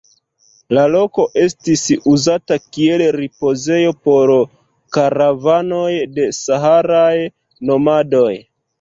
La loko estis uzata kiel ripozejo por karavanoj de saharaj nomadoj.